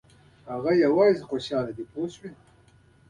هغوی یوازې خوشاله دي پوه شوې!.